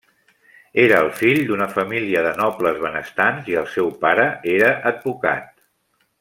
Era el fill d'una família de nobles benestants i el seu pare era advocat.